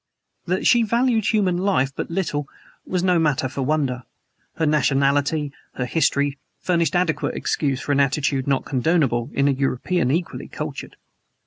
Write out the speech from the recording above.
That she valued human life but little was no matter for wonder. Her nationality her history furnished adequate excuse for an attitude not condonable in a European equally cultured.